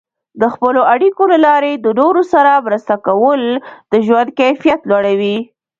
د خپلو اړیکو له لارې د نورو سره مرسته کول د ژوند کیفیت لوړوي.